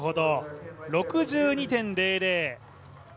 ６２．００。